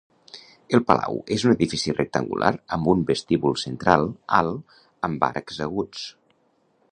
El palau és un edifici rectangular amb un vestíbul central alt amb arcs aguts.